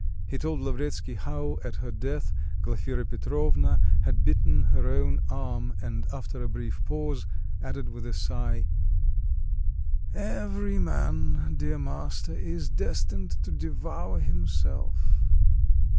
He told Lavretsky how, at her death, Glafira Petrovna had bitten her own arm, and after a brief pause, added with a sigh: "Every man, dear master, is destined to devour himself."